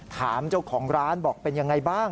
ถามเจ้าของร้านบอกเป็นยังไงบ้าง